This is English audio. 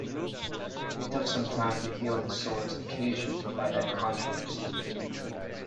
It took some time to heal the sores occasioned by that controversy.